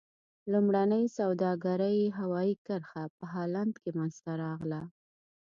لومړنۍ سوداګرۍ هوایي کرښه په هالند کې منځته راغله.